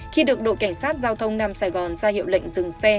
khi được đội cảnh sát giao thông nam sài gòn giai đoạn